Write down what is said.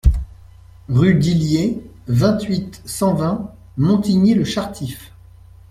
Rue d'Illiers, vingt-huit, cent vingt Montigny-le-Chartif